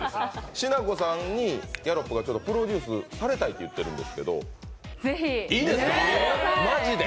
しなこさんにギャロップがちょっとプロデュースされたいって言ってるんですけどいいですか。